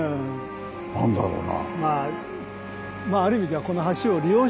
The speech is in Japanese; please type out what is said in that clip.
何だろうな？